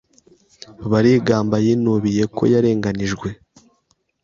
Baringamba yinubiye ko yarenganijwe.